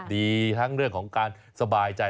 ดีทั้งเรื่องของการสบายใจ